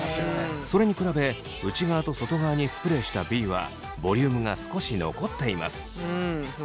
それに比べ内側と外側にスプレーしたＢはボリュームが少し残っています。